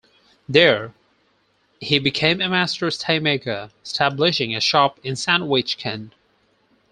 There, he became a master stay-maker, establishing a shop in Sandwich, Kent.